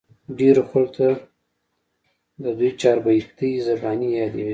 ډېرو خلقو ته د دوي چاربېتې زباني يادې وې